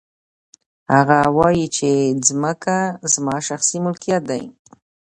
هغه وايي چې ځمکې زما شخصي ملکیت دی